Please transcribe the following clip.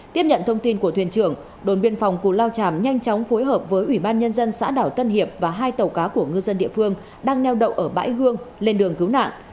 tiếp nhận thông tin của thuyền trưởng đồn biên phòng cù lao tràm nhanh chóng phối hợp với ủy ban nhân dân xã đảo tân hiệp và hai tàu cá của ngư dân địa phương đang neo đậu ở bãi hương lên đường cứu nạn